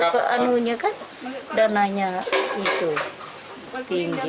ke anunya kan dananya itu tinggi